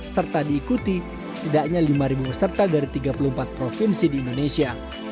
serta diikuti setidaknya lima peserta dari tiga puluh empat provinsi di indonesia